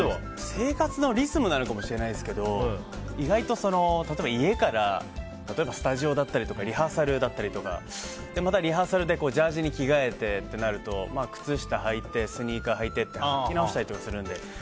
生活のリズムなのかもしれないですけど意外と例えば家からスタジオだったりとかリハーサルだったりとかリハーサルでジャージに着替えてってなると靴下はいてスニーカー履いてって履きなおしたりとかするので。